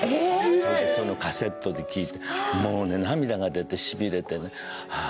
それでそれをカセットで聴いてもうね涙が出てしびれてねああ